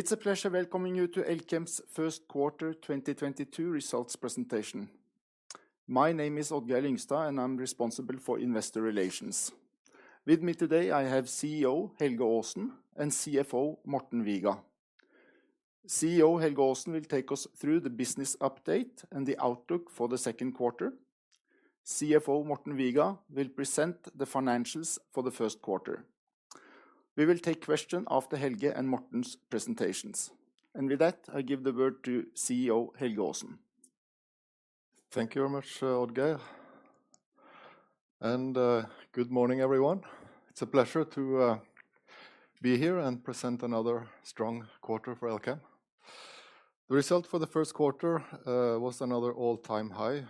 It's a pleasure welcoming you to Elkem's First Quarter 2022 Results presentation. My name is Odd-Geir Lyngstad, and I'm responsible for investor relations. With me today, I have CEO Helge Aasen and CFO Morten Viga. CEO Helge Aasen will take us through the business update and the outlook for the second quarter. CFO Morten Viga will present the financials for the first quarter. We will take questions after Helge and Morten's presentations. With that, I give the word to CEO Helge Aasen. Thank you very much, Odd-Geir. Good morning, everyone. It's a pleasure to be here and present another strong quarter for Elkem. The result for the first quarter was another all-time high,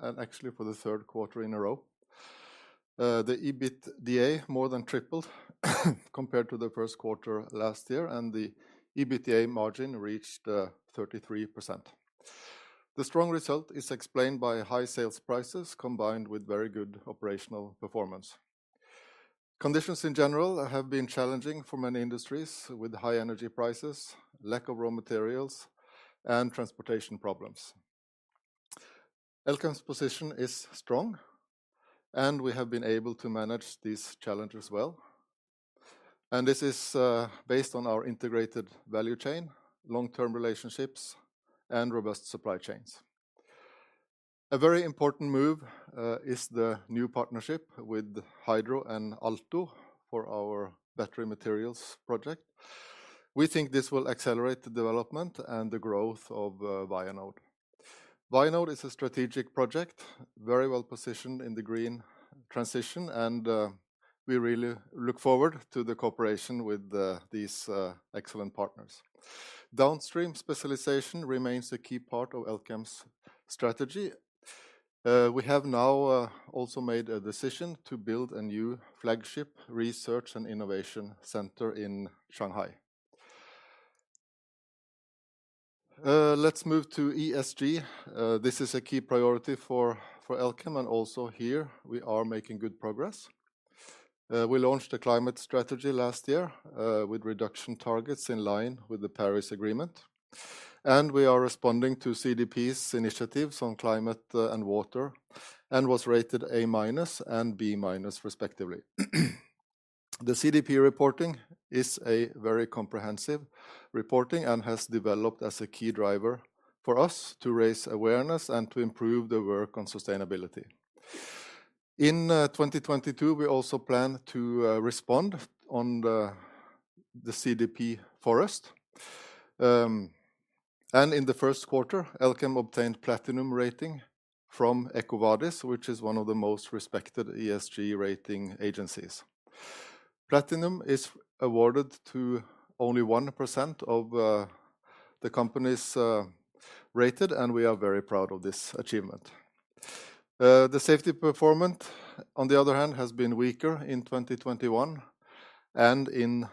and actually for the third quarter in a row. The EBITDA more than tripled compared to the first quarter last year, and the EBITDA margin reached 33%. The strong result is explained by high sales prices combined with very good operational performance. Conditions in general have been challenging for many industries with high energy prices, lack of raw materials, and transportation problems. Elkem's position is strong, and we have been able to manage these challenges well. This is based on our integrated value chain, long-term relationships, and robust supply chains. A very important move is the new partnership with Hydro and Altor for our battery materials project. We think this will accelerate the development and the growth of Vianode. Vianode is a strategic project, very well positioned in the green transition, and we really look forward to the cooperation with these excellent partners. Downstream specialization remains a key part of Elkem's strategy. We have now also made a decision to build a new flagship research and innovation center in Shanghai. Let's move to ESG. This is a key priority for Elkem, and also here we are making good progress. We launched a climate strategy last year with reduction targets in line with the Paris Agreement. We are responding to CDP's initiatives on climate and water, and was rated A- and B- respectively. The CDP reporting is a very comprehensive reporting and has developed as a key driver for us to raise awareness and to improve the work on sustainability. In 2022, we also plan to respond on the CDP Forests. In the first quarter, Elkem obtained platinum rating from EcoVadis, which is one of the most respected ESG rating agencies. Platinum is awarded to only 1% of the companies rated, and we are very proud of this achievement. The safety performance, on the other hand, has been weaker in 2021 and in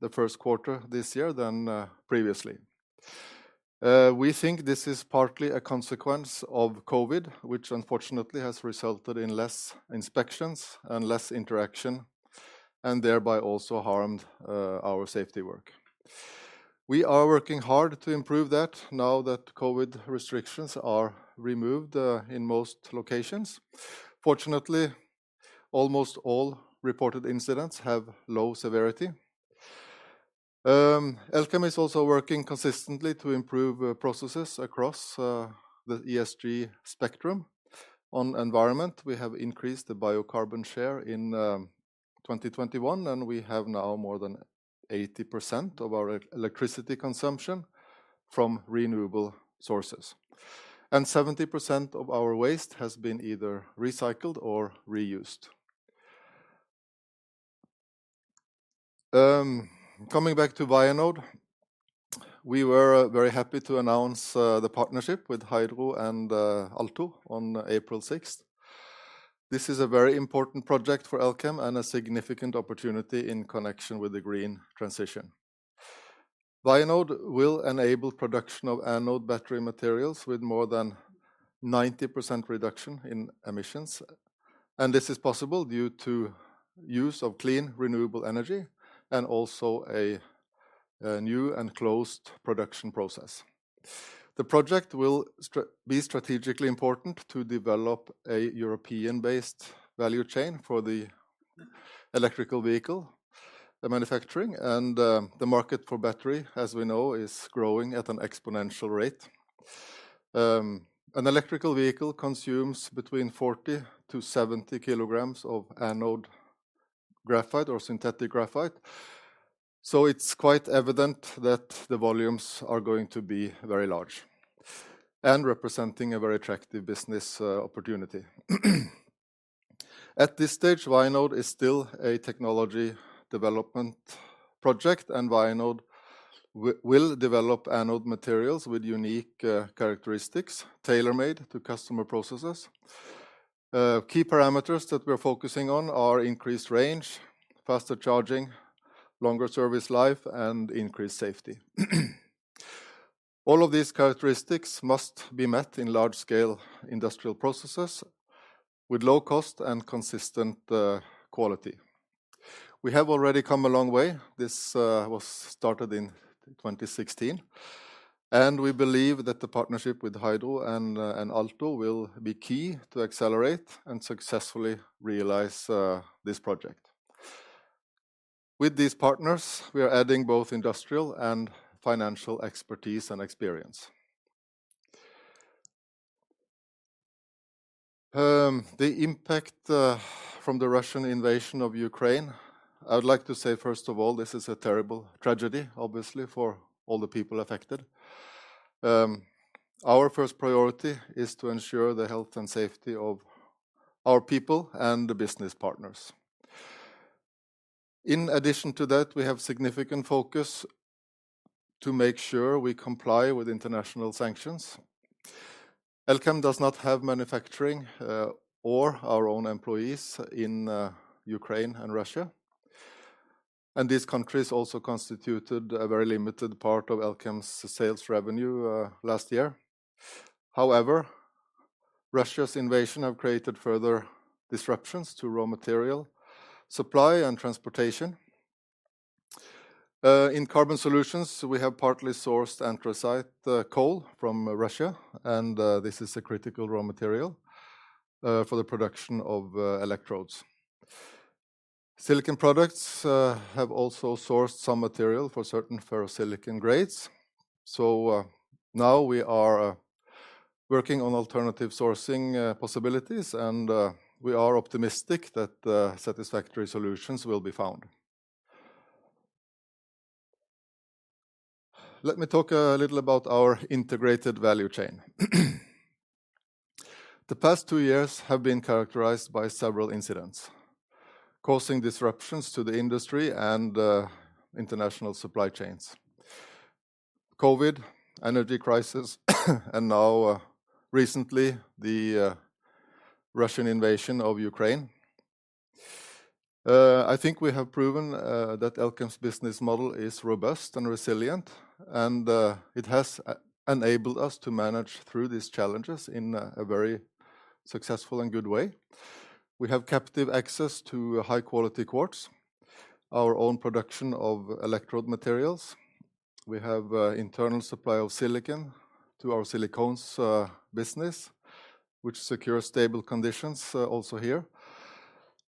the first quarter this year than previously. We think this is partly a consequence of COVID, which unfortunately has resulted in less inspections and less interaction, and thereby also harmed our safety work. We are working hard to improve that now that COVID restrictions are removed in most locations. Fortunately, almost all reported incidents have low severity. Elkem is also working consistently to improve processes across the ESG spectrum. On environment, we have increased the biocarbon share in 2021, and we have now more than 80% of our electricity consumption from renewable sources. 70% of our waste has been either recycled or reused. Coming back to Vianode, we were very happy to announce the partnership with Hydro and Altor on April 6. This is a very important project for Elkem and a significant opportunity in connection with the green transition. Vianode will enable production of anode battery materials with more than 90% reduction in emissions. This is possible due to use of clean, renewable energy and also a new and closed production process. The project will be strategically important to develop a European-based value chain for the electric vehicle, the manufacturing, and the market for battery, as we know, is growing at an exponential rate. An electric vehicle consumes between 40kg-70 kg of anode graphite or synthetic graphite. It's quite evident that the volumes are going to be very large and representing a very attractive business opportunity. At this stage, Vianode is still a technology development project, and Vianode will develop anode materials with unique characteristics tailor-made to customer processes. Key parameters that we're focusing on are increased range, faster charging, longer service life, and increased safety. All of these characteristics must be met in large scale industrial processes with low cost and consistent quality. We have already come a long way. This was started in 2016, and we believe that the partnership with Hydro and Altor will be key to accelerate and successfully realize this project. With these partners, we are adding both industrial and financial expertise and experience. The impact from the Russian invasion of Ukraine, I would like to say, first of all, this is a terrible tragedy, obviously, for all the people affected. Our first priority is to ensure the health and safety of our people and the business partners. In addition to that, we have significant focus to make sure we comply with international sanctions. Elkem does not have manufacturing or our own employees in Ukraine and Russia. These countries also constituted a very limited part of Elkem's sales revenue, last year. However, Russia's invasion have created further disruptions to raw material supply and transportation. In Carbon Solutions, we have partly sourced anthracite coal from Russia, and this is a critical raw material for the production of electrodes. Silicon Products have also sourced some material for certain ferrosilicon grades. Now we are working on alternative sourcing possibilities, and we are optimistic that satisfactory solutions will be found. Let me talk a little about our integrated value chain. The past two years have been characterized by several incidents causing disruptions to the industry and international supply chains. COVID, energy crisis, and now, recently, the Russian invasion of Ukraine. I think we have proven that Elkem's business model is robust and resilient, and it has enabled us to manage through these challenges in a very successful and good way. We have captive access to high-quality quartz, our own production of electrode materials. We have internal supply of silicon to our Silicones business, which secures stable conditions also here.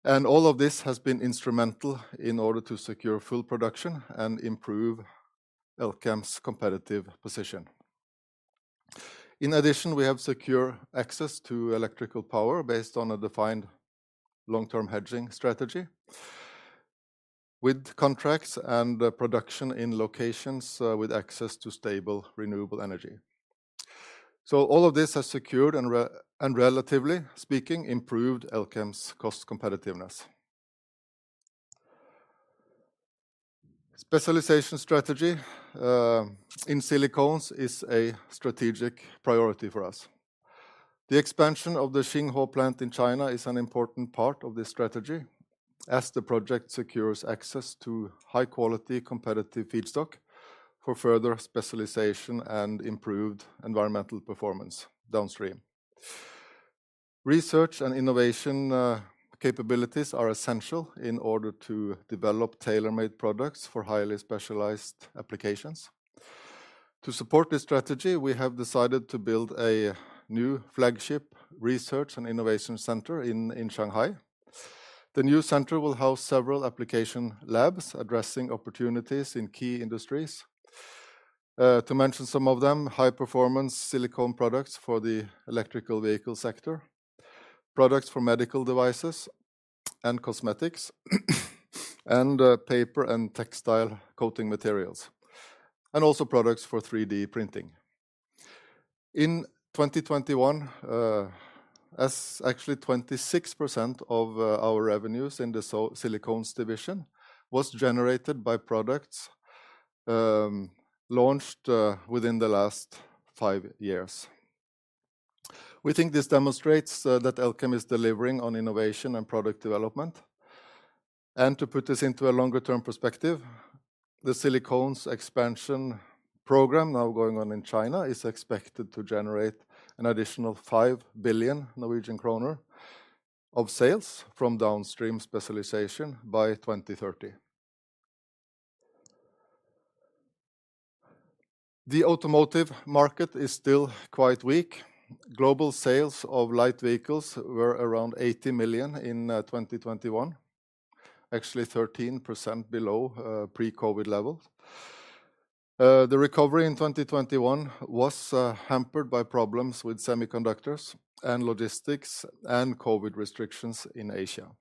All of this has been instrumental in order to secure full production and improve Elkem's competitive position. In addition, we have secure access to electrical power based on a defined long-term hedging strategy with contracts and production in locations with access to stable, renewable energy. All of this has secured and relatively speaking, improved Elkem's cost competitiveness. Specialization strategy in Silicones is a strategic priority for us. The expansion of the Xinghuo plant in China is an important part of this strategy as the project secures access to high quality, competitive feedstock for further specialization and improved environmental performance downstream. Research and innovation capabilities are essential in order to develop tailor-made products for highly specialized applications. To support this strategy, we have decided to build a new flagship research and innovation center in Shanghai. The new center will house several application labs addressing opportunities in key industries. To mention some of them, high-performance silicone products for the electric vehicle sector, products for medical devices and cosmetics, and paper and textile coating materials, and also products for 3D printing. In 2021, actually 26% of our revenues in the Silicones division was generated by products launched within the last five years. We think this demonstrates that Elkem is delivering on innovation and product development. To put this into a longer-term perspective, the Silicones expansion program now going on in China is expected to generate an additional 5 billion Norwegian kroner of sales from downstream specialization by 2030. The automotive market is still quite weak. Global sales of light vehicles were around 80 million in 2021, actually 13% below pre-COVID levels. The recovery in 2021 was hampered by problems with semiconductors and logistics and COVID restrictions in Asia.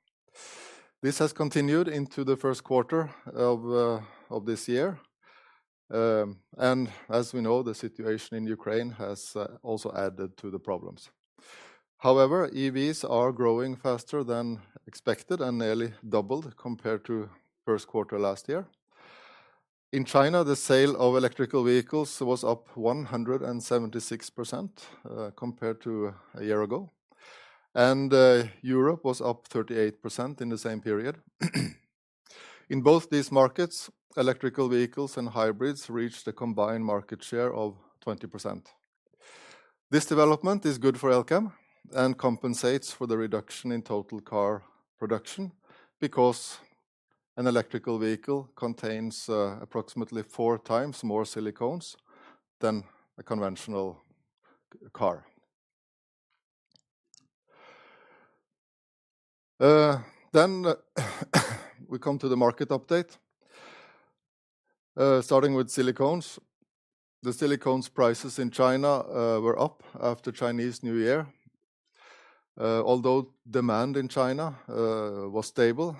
This has continued into the first quarter of this year. As we know, the situation in Ukraine has also added to the problems. However, EVs are growing faster than expected and nearly doubled compared to first quarter last year. In China, the sales of electric vehicles was up 176%, compared to a year ago. Europe was up 38% in the same period. In both these markets, electric vehicles and hybrids reached a combined market share of 20%. This development is good for Elkem and compensates for the reduction in total car production because an electric vehicle contains approximately 4x more Silicones than a conventional car. We come to the market update. Starting with Silicones. The Silicones prices in China were up after Chinese New Year. Although demand in China was stable,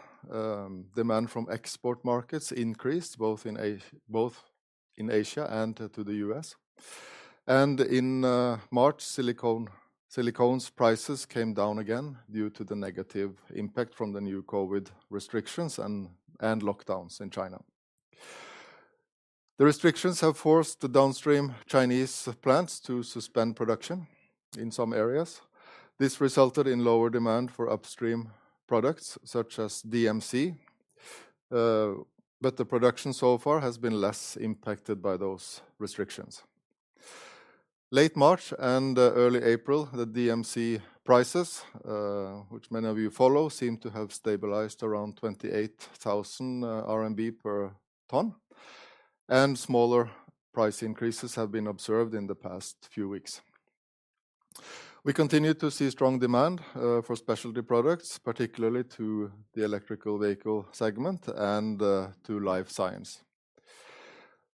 demand from export markets increased both in Asia and to the U.S. In March, Silicones prices came down again due to the negative impact from the new COVID restrictions and lockdowns in China. The restrictions have forced the downstream Chinese plants to suspend production in some areas. This resulted in lower demand for upstream products such as DMC, but the production so far has been less impacted by those restrictions. Late March and early April, the DMC prices, which many of you follow, seem to have stabilized around 28,000 RMB per ton, and smaller price increases have been observed in the past few weeks. We continue to see strong demand for specialty products, particularly to the electric vehicle segment and to life science.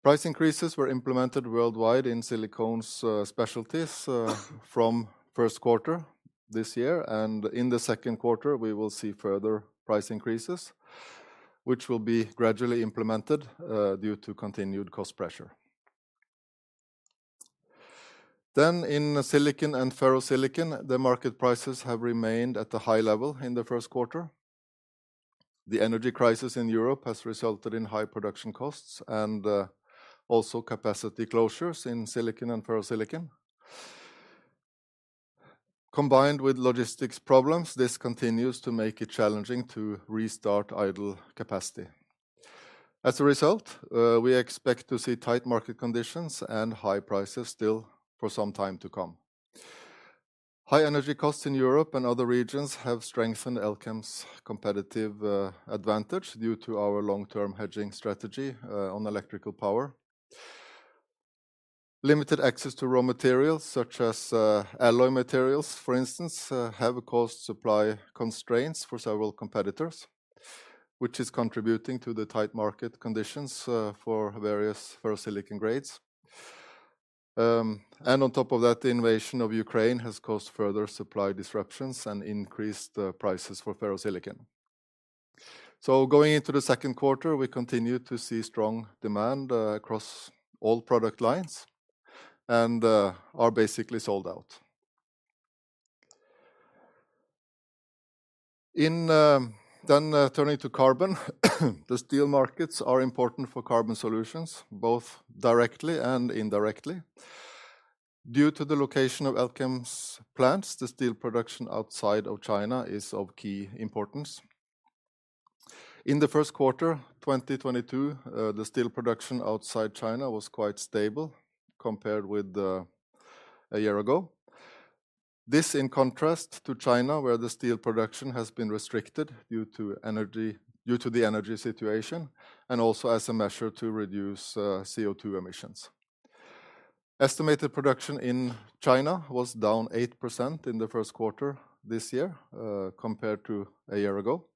Price increases were implemented worldwide in Silicones, specialties, from first quarter this year, and in the second quarter, we will see further price increases, which will be gradually implemented due to continued cost pressure. In silicon and ferrosilicon, the market prices have remained at the high level in the first quarter. The energy crisis in Europe has resulted in high production costs and also capacity closures in silicon and ferrosilicon. Combined with logistics problems, this continues to make it challenging to restart idle capacity. As a result, we expect to see tight market conditions and high prices still for some time to come. High energy costs in Europe and other regions have strengthened Elkem's competitive advantage due to our long-term hedging strategy on electrical power. Limited access to raw materials, such as alloy materials, for instance, have caused supply constraints for several competitors, which is contributing to the tight market conditions for various ferrosilicon grades. On top of that, the invasion of Ukraine has caused further supply disruptions and increased prices for ferrosilicon. Going into the second quarter, we continue to see strong demand across all product lines and are basically sold out. Turning to carbon, the steel markets are important for Carbon Solutions, both directly and indirectly. Due to the location of Elkem's plants, the steel production outside of China is of key importance. In the first quarter, 2022, the steel production outside China was quite stable compared with a year ago. This in contrast to China, where the steel production has been restricted due to the energy situation, and also as a measure to reduce CO2 emissions. Estimated production in China was down 8% in the first quarter this year, compared to a year ago.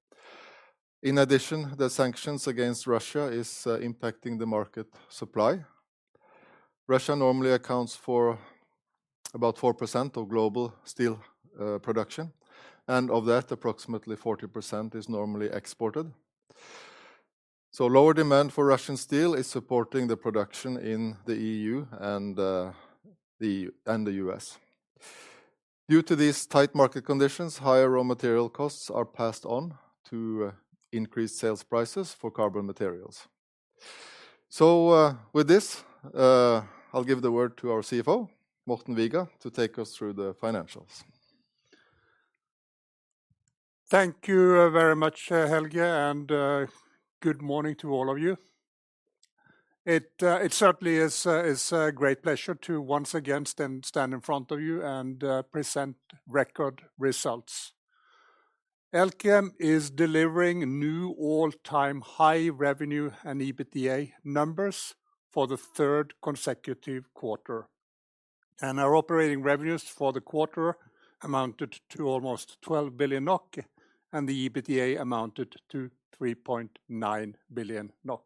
In addition, the sanctions against Russia is impacting the market supply. Russia normally accounts for about 4% of global steel production, and of that, approximately 40% is normally exported. Lower demand for Russian steel is supporting the production in the EU and the U.S.. Due to these tight market conditions, higher raw material costs are passed on to increased sales prices for carbon materials. With this, I'll give the word to our CFO, Morten Viga, to take us through the financials. Thank you very much, Helge, and good morning to all of you. It certainly is a great pleasure to once again stand in front of you and present record results. Elkem is delivering new all-time high revenue and EBITDA numbers for the third consecutive quarter. Our operating revenues for the quarter amounted to almost 12 billion NOK, and the EBITDA amounted to 3.9 billion NOK.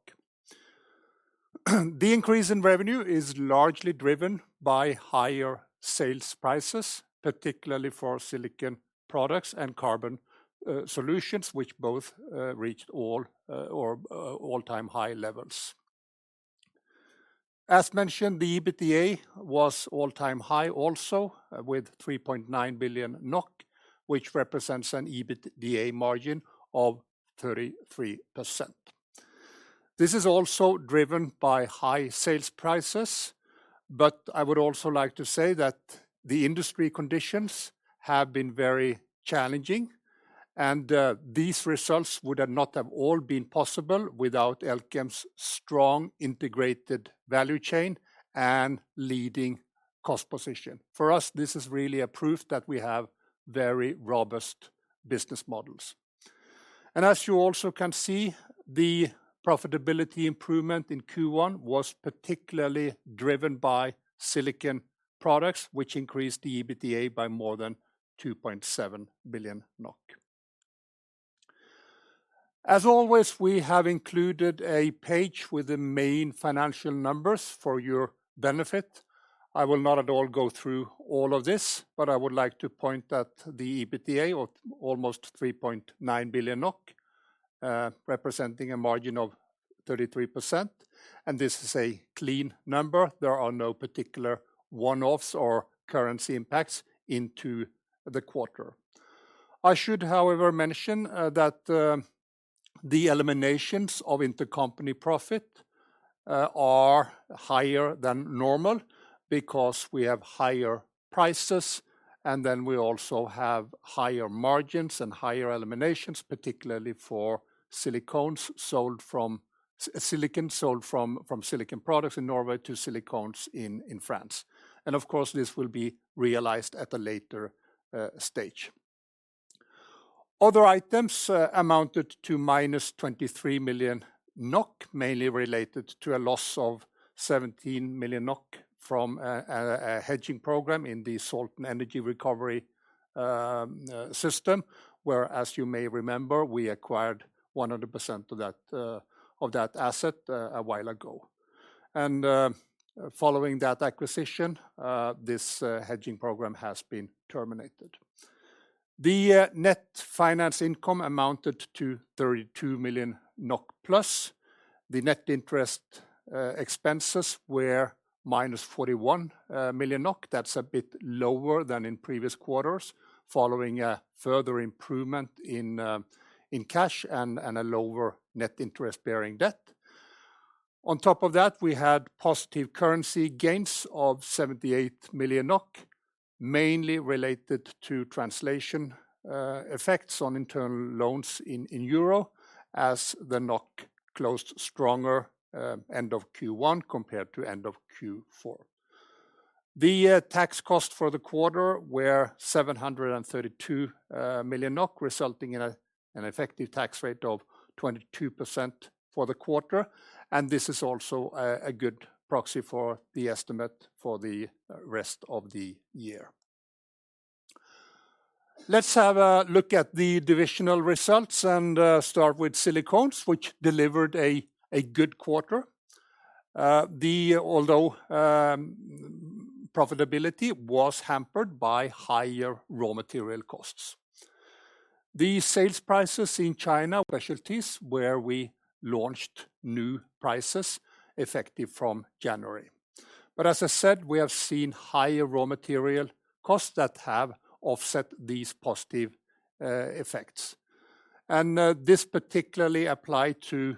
The increase in revenue is largely driven by higher sales prices, particularly for Silicon Products and Carbon Solutions, which both reached all-time high levels. As mentioned, the EBITDA was all-time high also with 3.9 billion NOK, which represents an EBITDA margin of 33%. This is also driven by high sales prices. I would also like to say that the industry conditions have been very challenging, and these results would not have all been possible without Elkem's strong integrated value chain and leading cost position. For us, this is really a proof that we have very robust business models. As you also can see, the profitability improvement in Q1 was particularly driven by Silicon Products, which increased the EBITDA by more than 2.7 billion NOK. As always, we have included a page with the main financial numbers for your benefit. I will not at all go through all of this, but I would like to point at the EBITDA of almost 3.9 billion NOK, representing a margin of 33%, and this is a clean number. There are no particular one-offs or currency impacts into the quarter. I should, however, mention that the eliminations of intercompany profit are higher than normal because we have higher prices, and then we also have higher margins and higher eliminations, particularly for Silicones sold from Silicon Products in Norway to Silicones in France. Of course, this will be realized at a later stage. Other items amounted to -23 million NOK, mainly related to a loss of 17 million NOK from a hedging program in the [Salten Energigjenvinning] system, where, as you may remember, we acquired 100% of that asset a while ago. Following that acquisition, this hedging program has been terminated. The net finance income amounted to 32 million NOK+. The net interest expenses were -41 million NOK. That's a bit lower than in previous quarters, following a further improvement in cash and a lower net interest-bearing debt. On top of that, we had positive currency gains of 78 million NOK, mainly related to translation effects on internal loans in euro as the NOK closed stronger end of Q1 compared to end of Q4. The tax cost for the quarter were 732 million NOK, resulting in an effective tax rate of 22% for the quarter, and this is also a good proxy for the estimate for the rest of the year. Let's have a look at the divisional results and start with Silicones, which delivered a good quarter. Although profitability was hampered by higher raw material costs. The sales prices in China specialties, where we launched new prices effective from January. As I said, we have seen higher raw material costs that have offset these positive effects. This particularly applied to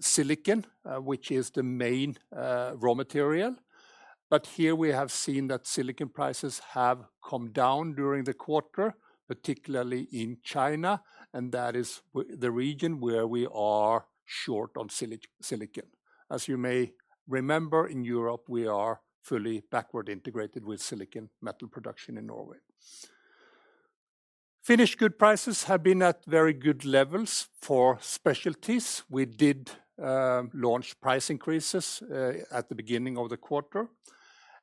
silicon, which is the main raw material. Here we have seen that silicon prices have come down during the quarter, particularly in China, and that is the region where we are short on silicon. As you may remember, in Europe, we are fully backward integrated with silicon metal production in Norway. Finished goods prices have been at very good levels for specialties. We did launch price increases at the beginning of the quarter.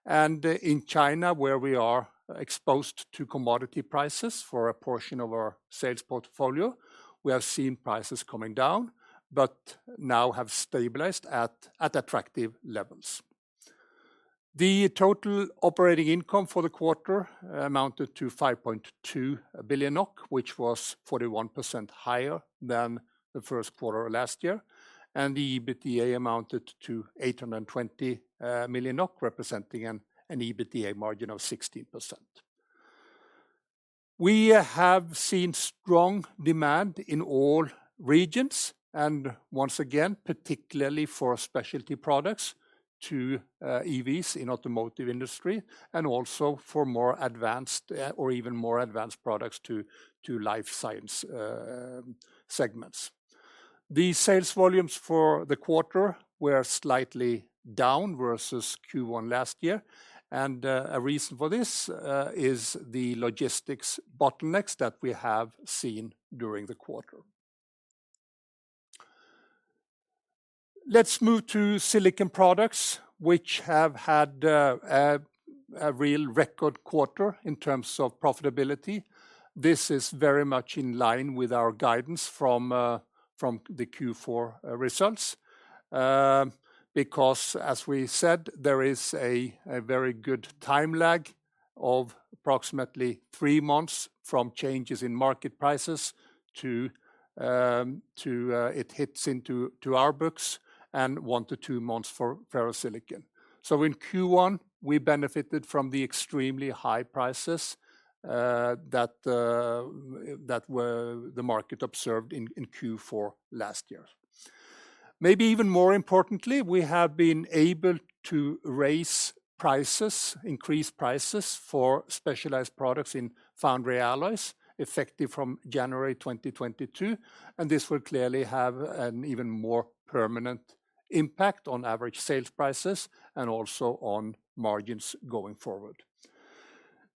In China, where we are exposed to commodity prices for a portion of our sales portfolio, we have seen prices coming down, but now have stabilized at attractive levels. The total operating income for the quarter amounted to 5.2 billion NOK, which was 41% higher than the first quarter of last year, and the EBITDA amounted to 820 million NOK, representing an EBITDA margin of 16%. We have seen strong demand in all regions and once again, particularly for specialty products to EVs in automotive industry and also for more advanced, or even more advanced products to life science segments. The sales volumes for the quarter were slightly down versus Q1 last year, and a reason for this is the logistics bottlenecks that we have seen during the quarter. Let's move to Silicon Products, which have had a real record quarter in terms of profitability. This is very much in line with our guidance from the Q4 results, because as we said, there is a very good time lag of approximately three months from changes in market prices to our books and one to two months for ferrosilicon. In Q1, we benefited from the extremely high prices that the market observed in Q4 last year. Maybe even more importantly, we have been able to raise prices, increase prices for specialized products in foundry alloys effective from January 2022, and this will clearly have an even more permanent impact on average sales prices and also on margins going forward.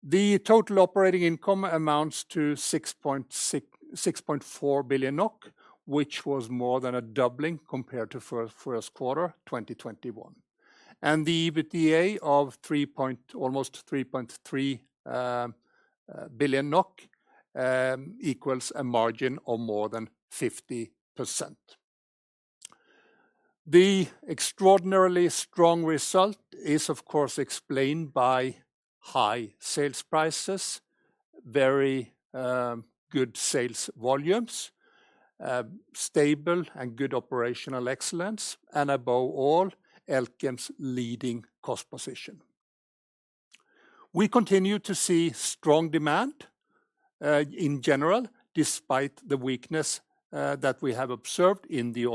The total operating income amounts to 6.4 billion NOK, which was more than a doubling compared to first quarter 2021. The EBITDA of almost 3.3 billion NOK equals a margin of more than 50%. The extraordinarily strong result is, of course, explained by high sales prices, very good sales volumes, stable and good operational excellence, and above all, Elkem's leading cost position. We continue to see strong demand in general, despite the weakness that we have observed in the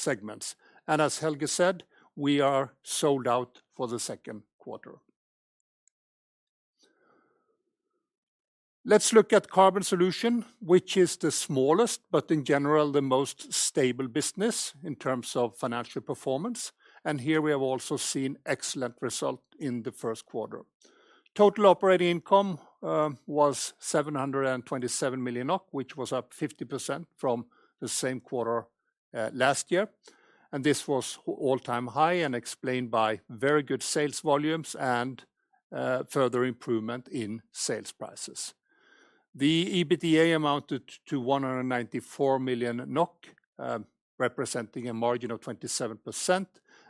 automotive segments. As Helge said, we are sold out for the second quarter. Let's look at Carbon Solutions, which is the smallest, but in general, the most stable business in terms of financial performance. Here we have also seen excellent result in the first quarter. Total operating income was 727 million, which was up 50% from the same quarter last year. This was all-time high and explained by very good sales volumes and further improvement in sales prices. The EBITDA amounted to 194 million NOK, representing a margin of 27%,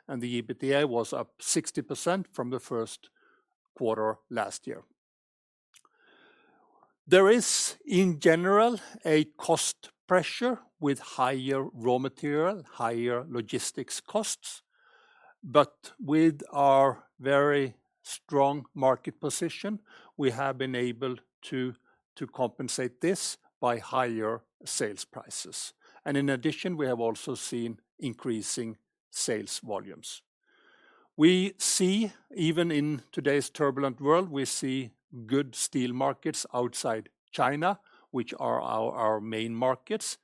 and the EBITDA was up 60% from the first quarter last year. There is, in general, a cost pressure with higher raw material, higher logistics costs. With our very strong market position, we have been able to to compensate this by higher sales prices. In addition, we have also seen increasing sales volumes. We see, even in today's turbulent world, we see good steel markets outside China, which are our main markets.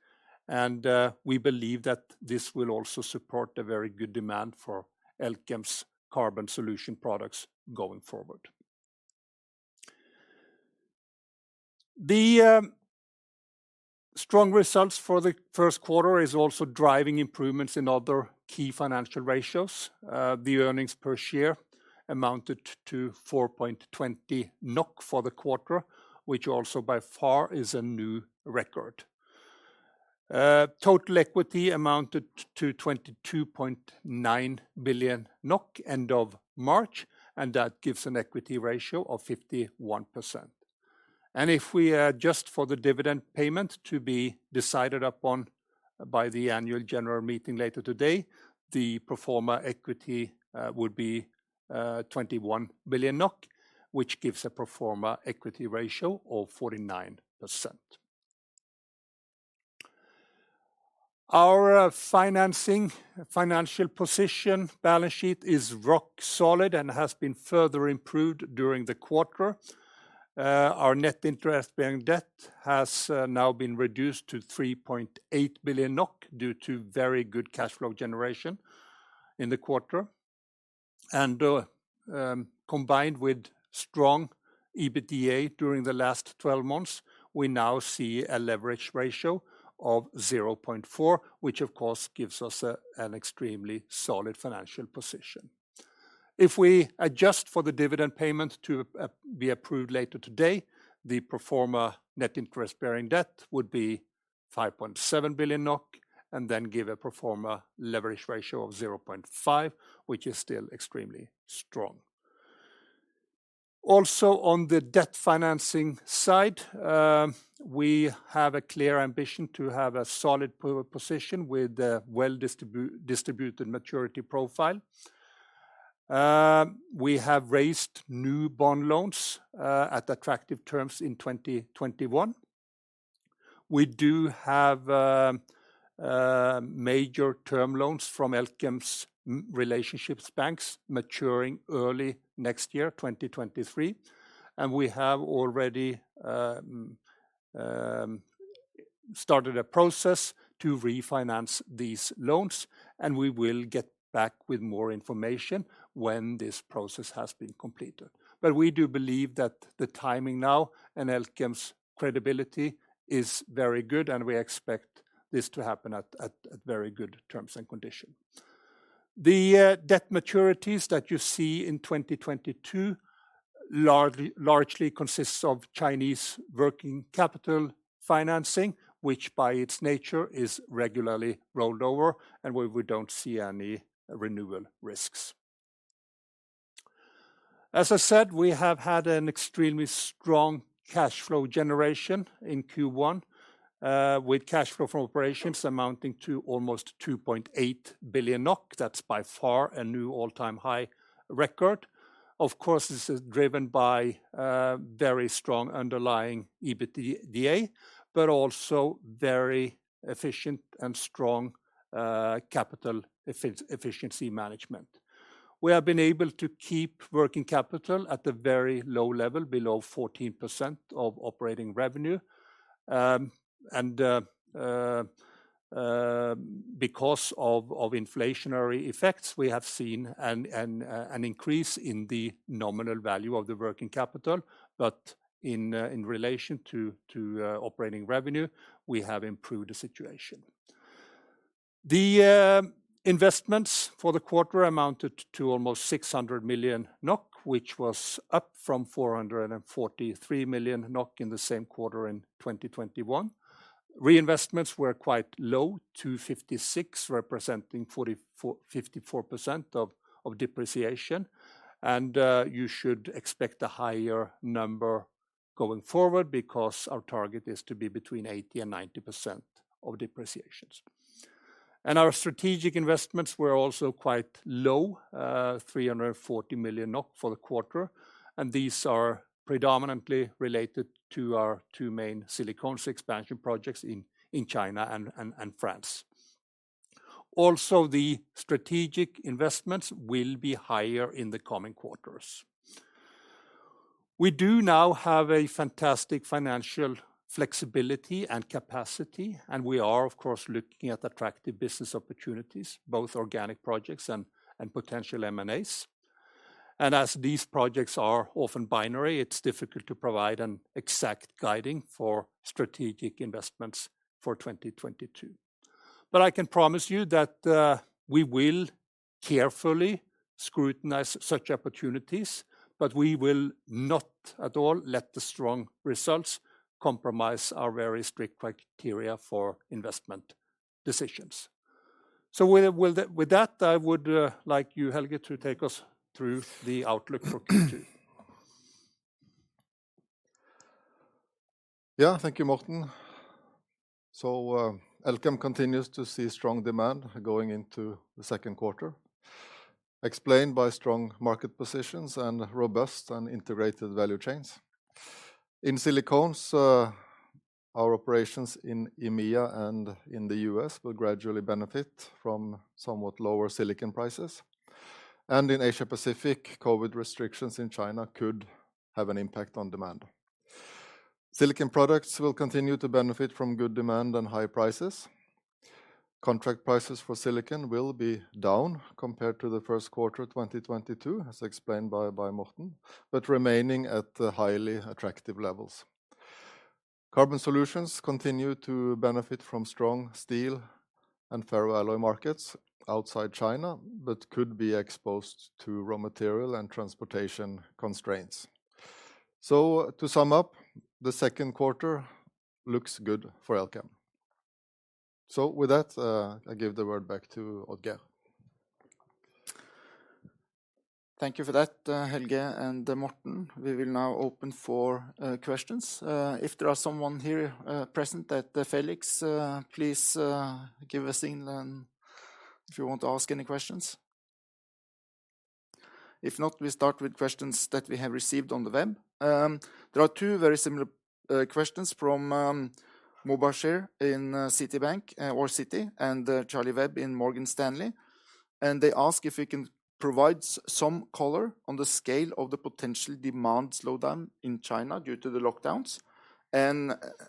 We believe that this will also support a very good demand for Elkem's Carbon Solutions products going forward. The strong results for the first quarter is also driving improvements in other key financial ratios. The earnings per share amounted to 4.20 NOK for the quarter, which also by far is a new record. Total equity amounted to 22.9 billion NOK end of March, and that gives an equity ratio of 51%. If we adjust for the dividend payment to be decided upon by the annual general meeting later today, the pro forma equity would be 21 billion NOK, which gives a pro forma equity ratio of 49%. Our financial position balance sheet is rock solid and has been further improved during the quarter. Our net interest-bearing debt has now been reduced to 3.8 billion NOK due to very good cash flow generation in the quarter. Combined with strong EBITDA during the last 12 months, we now see a leverage ratio of 0.4, which of course gives us an extremely solid financial position. If we adjust for the dividend payment to be approved later today, the pro forma net interest bearing debt would be 5.7 billion NOK and then give a pro forma leverage ratio of 0.5, which is still extremely strong. Also, on the debt financing side, we have a clear ambition to have a solid position with a well-distributed maturity profile. We have raised new bond loans at attractive terms in 2021. We do have major term loans from Elkem's relationship banks maturing early next year, 2023. We have already started a process to refinance these loans, and we will get back with more information when this process has been completed. We do believe that the timing now and Elkem's credibility is very good, and we expect this to happen at very good terms and conditions. The debt maturities that you see in 2022 largely consists of Chinese working capital financing, which by its nature is regularly rolled over and we don't see any renewal risks. As I said, we have had an extremely strong cash flow generation in Q1, with cash flow from operations amounting to almost 2.8 billion NOK. That's by far a new all-time high record. Of course, this is driven by very strong underlying EBITDA. But also very efficient and strong capital efficiency management. We have been able to keep working capital at a very low level, below 14% of operating revenue. Because of inflationary effects, we have seen an increase in the nominal value of the working capital. In relation to operating revenue, we have improved the situation. The investments for the quarter amounted to almost 600 million NOK, which was up from 443 million NOK in the same quarter in 2021. Reinvestments were quite low, 256 million, representing 54% of depreciation. You should expect a higher number going forward because our target is to be between 80% and 90% of depreciation. Our strategic investments were also quite low, 340 million NOK for the quarter, and these are predominantly related to our two main Silicones expansion projects in China and France. Also, the strategic investments will be higher in the coming quarters. We do now have a fantastic financial flexibility and capacity, and we are of course looking at attractive business opportunities, both organic projects and potential M&As. As these projects are often binary, it's difficult to provide an exact guidance for strategic investments for 2022. I can promise you that, we will carefully scrutinize such opportunities, but we will not at all let the strong results compromise our very strict criteria for investment decisions. With that, I would like you, Helge, to take us through the outlook for Q2. Yeah. Thank you, Morten. Elkem continues to see strong demand going into the second quarter, explained by strong market positions and robust and integrated value chains. In Silicones, our operations in EMEA and in the U.S. will gradually benefit from somewhat lower silicon prices. In Asia Pacific, COVID restrictions in China could have an impact on demand. Silicon products will continue to benefit from good demand and high prices. Contract prices for silicon will be down compared to the first quarter 2022, as explained by Morten, but remaining at the highly attractive levels. Carbon solutions continue to benefit from strong steel and ferroalloy markets outside China, but could be exposed to raw material and transportation constraints. To sum up, the second quarter looks good for Elkem. With that, I give the word back to Odd-Geir. Thank you for that, Helge and Morten. We will now open for questions. If there are someone here present at Felix, please give a signal and if you want to ask any questions. If not, we start with questions that we have received on the web. There are two very similar questions from Mubasher in Citi, and Charlie Webb in Morgan Stanley. They ask if we can provide some color on the scale of the potential demand slowdown in China due to the lockdowns.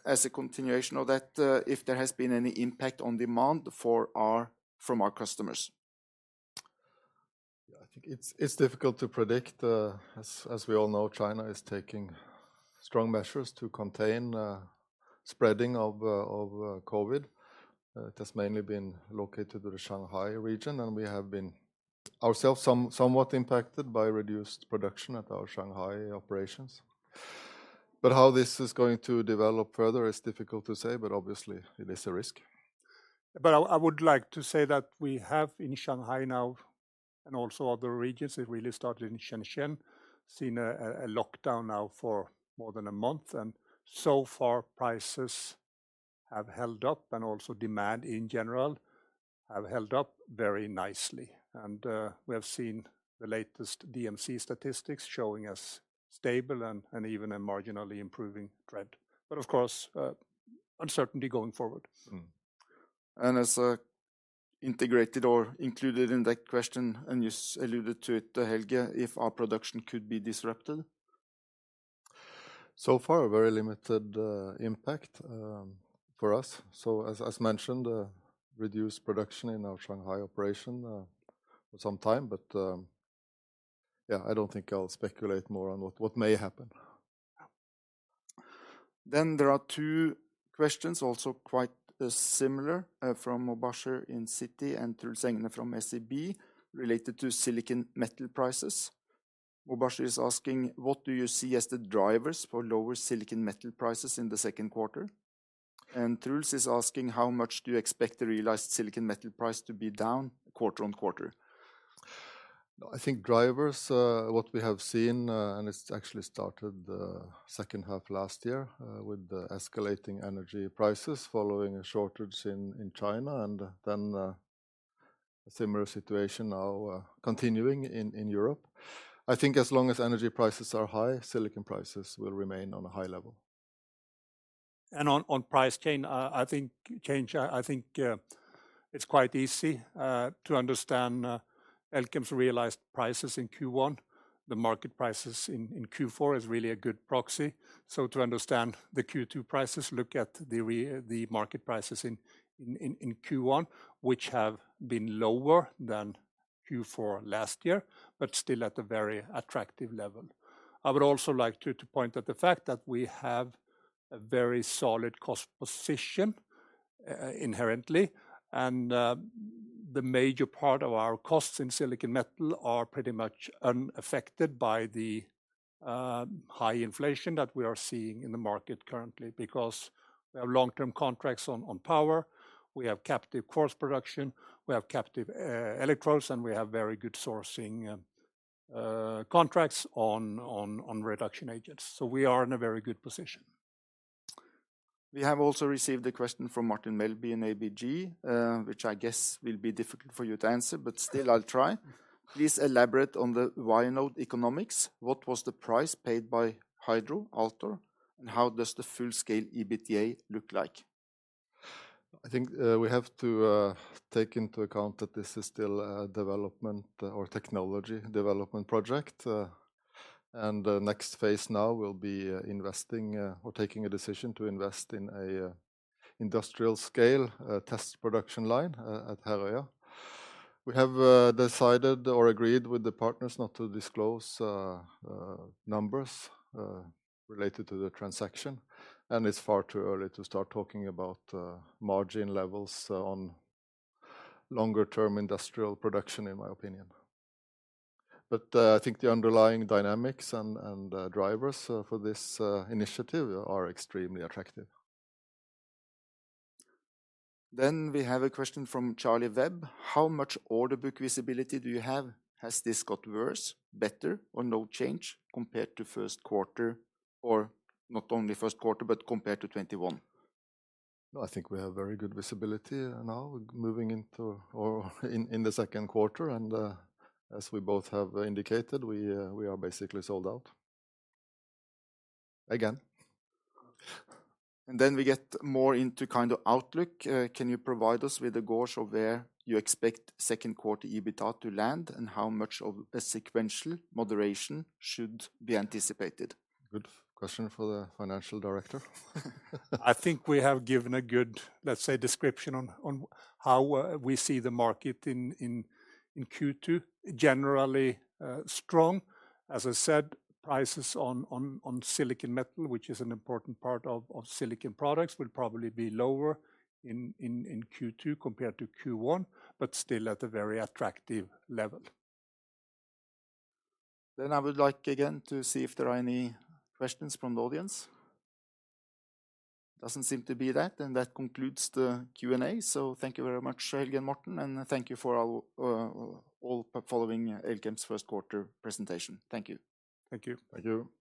As a continuation of that, if there has been any impact on demand from our customers. Yeah. I think it's difficult to predict. As we all know, China is taking strong measures to contain spreading of COVID. It has mainly been limited to the Shanghai region, and we have been somewhat impacted by reduced production at our Shanghai operations. How this is going to develop further is difficult to say, but obviously it is a risk. I would like to say that we have seen in Shanghai now, and also other regions, it really started in Shenzhen, a lockdown now for more than a month. So far prices have held up and also demand in general have held up very nicely. We have seen the latest DMC statistics showing us stable and even a marginally improving trend. Of course, uncertainty going forward. Mm-hmm. As an integrated or included in that question, and you alluded to it, Helge, if our production could be disrupted. So far, very limited impact for us. As mentioned, reduced production in our Shanghai operation for some time. Yeah, I don't think I'll speculate more on what may happen. There are two questions, also quite similar, from Mubasher in Citi and Truls Egner from SEB related to silicon metal prices. Mubasher is asking, what do you see as the drivers for lower silicon metal prices in the second quarter? Truls is asking, how much do you expect the realized silicon metal price to be down quarter on quarter? I think drivers, what we have seen, and it's actually started second half last year with the escalating energy prices following a shortage in China and then a similar situation now continuing in Europe. I think as long as energy prices are high, silicon prices will remain on a high level. I think it's quite easy to understand Elkem's realized prices in Q1. The market prices in Q4 is really a good proxy. To understand the Q2 prices, look at the market prices in Q1, which have been lower than Q4 last year, but still at a very attractive level. I would also like to point out the fact that we have a very solid cost position inherently, and the major part of our costs in silicon metal are pretty much unaffected by the high inflation that we are seeing in the market currently because we have long-term contracts on power, we have captive quartz production, we have captive electrodes, and we have very good sourcing contracts on reduction agents. We are in a very good position. We have also received a question from Martin Melbye in ABG, which I guess will be difficult for you to answer, but still I'll try. Please elaborate on the Vianode economics. What was the price paid by Hydro, Altor, and how does the full scale EBITDA look like? I think we have to take into account that this is still a development or technology development project, and the next phase now will be investing or taking a decision to invest in a industrial scale test production line at Herøya. We have decided or agreed with the partners not to disclose numbers related to the transaction, and it's far too early to start talking about margin levels on longer term industrial production, in my opinion. I think the underlying dynamics and drivers for this initiative are extremely attractive. We have a question from Charlie Webb. How much order book visibility do you have? Has this got worse, better, or no change compared to first quarter, or not only first quarter, but compared to 2021? I think we have very good visibility now moving into the second quarter, and as we both have indicated, we are basically sold out. Again. We get more into kind of outlook. Can you provide us with a gauge of where you expect second quarter EBITDA to land, and how much of a sequential moderation should be anticipated? Good question for the financial director. I think we have given a good, let's say, description on how we see the market in Q2. Generally, strong. As I said, prices on silicon metal, which is an important part of Silicon Products, will probably be lower in Q2 compared to Q1, but still at a very attractive level. I would like again to see if there are any questions from the audience. Doesn't seem to be that. That concludes the Q&A. Thank you very much, Helge and Morten, and thank you for all following Elkem's first quarter presentation. Thank you. Thank you. Thank you.